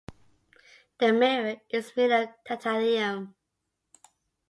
The mirror is made of titanium.